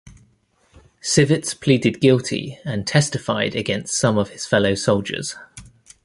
Sivits pleaded guilty and testified against some of his fellow soldiers.